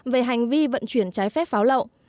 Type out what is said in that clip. về hành vi vận chuyển trái phép pháo lậu